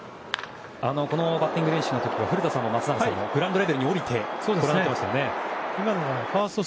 このバッティング練習は古田さん、松坂さんもグラウンドレベルに下りてご覧になってましたよね。